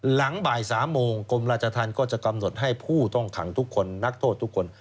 หลังบ่าย๓โมงกรมราชธรรมก็จะกำหนดให้ผู้ต้องขังทุกคนนักโทษทุกคน